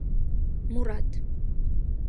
Мурат.